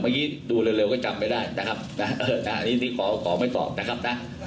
เมื่อกี้ดูเร็วก็จำไม่ได้นะครับอันนี้ขอไม่ตอบนะครับ